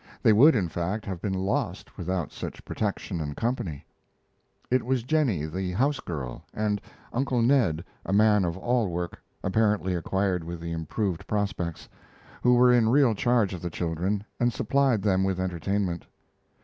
They would, in fact, have been lost without such protection and company. It was Jennie, the house girl, and Uncle Ned, a man of all work apparently acquired with the improved prospects who were in real charge of the children and supplied them with entertainment.